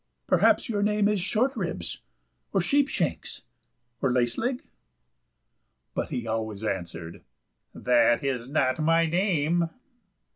"Perhaps your name is Shortribs, or Sheepshanks, or Laceleg?" but he always answered, "That is not my name."